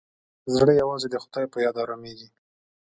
زړه یوازې د خدای په یاد ارامېږي.